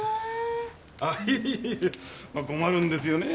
あいや困るんですよねえ。